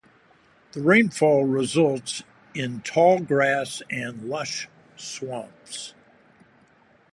The rainfall results in tall grass and lush swamps.